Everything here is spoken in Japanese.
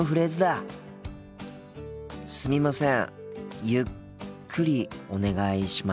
あっ！すみません。